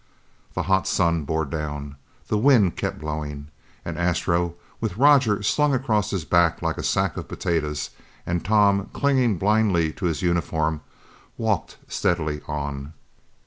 The hot sun bore down. The wind kept blowing and Astro, with Roger slung across his back like a sack of potatoes and Tom clinging blindly to his uniform, walked steadily on.